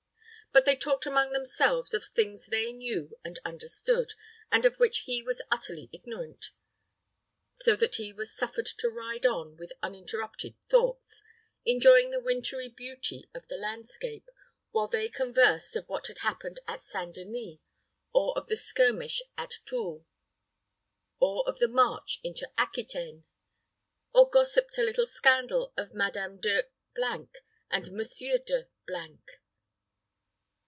But they talked among themselves of things they knew and understood, and of which he was utterly ignorant; so that he was suffered to ride on with uninterrupted thoughts, enjoying the wintery beauty of the landscape, while they conversed of what had happened at St. Denis, or of the skirmish at Toul, or of the march into Aquitaine, or gossiped a little scandal of Madame De and Monsieur De .